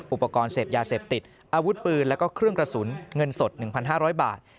อุปกรณ์เสพยาเสพติดอาวุธปืนแล้วก็เครื่องกระสุนเงินสด๑๕๐๐บาท